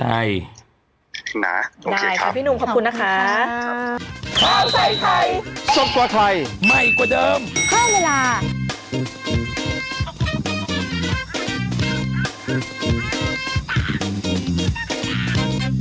่าโอเคครับ